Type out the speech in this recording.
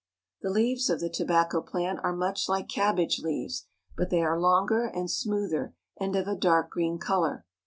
The leaves of the tobacco plant are much like cabbage leaves, but they are longer and smoother and of a dark green color.